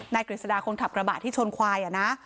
นายเกฤษดาคนขับกระบาดที่ชนควายอะนะ